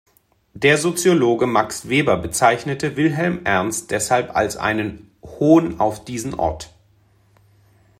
Der Soziologe Max Weber bezeichnete Wilhelm Ernst deshalb als „einen Hohn auf diesen Ort“.